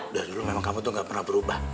dari dulu memang kamu tuh gak pernah berubah